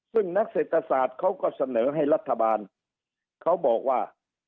ซึ่งนักเศรษฐศาสตร์เขาก็เสนอให้รัฐบาลเขาบอกว่า